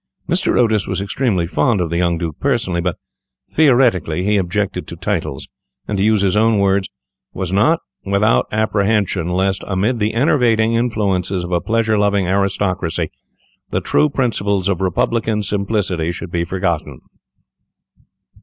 Mr. Otis was extremely fond of the young Duke personally, but, theoretically, he objected to titles, and, to use his own words, "was not without apprehension lest, amid the enervating influences of a pleasure loving aristocracy, the true principles of Republican simplicity should be forgotten."